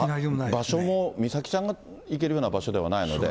場所も美咲ちゃんが行けるような場所ではないので。